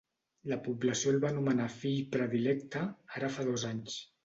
La població el va anomenar fill predilecte ara fa dos anys.